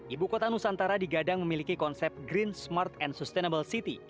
ibu kota nusantara digadang memiliki konsep green smart and sustainable city